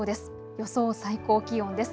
予想最高気温です。